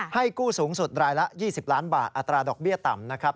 ให้กู้สูงสุดรายละ๒๐ล้านบาทอัตราดอกเบี้ยต่ำนะครับ